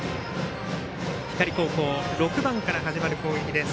光高校、６番から始まる攻撃です。